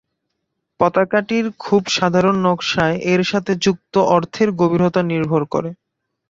পতাকাটির খুব সাধারণ নকশায় এর সাথে যুক্ত অর্থের গভীরতা নির্ভর করে।